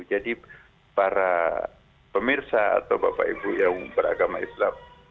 jadi para pemirsa atau bapak ibu yang beragama islam